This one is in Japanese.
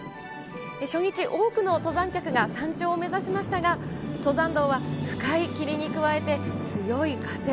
初日、多くの登山客が山頂を目指しましたが、登山道は深い霧に加えて、強い風。